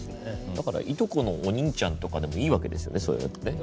だから、いとこのお兄ちゃんとかでもいいわけですよね、それってね。